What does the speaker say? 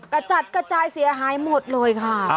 กระจัดกระจายเสียหายหมดเลยค่ะ